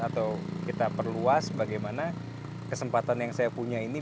atau kita perluas bagaimana kesempatan yang saya punya ini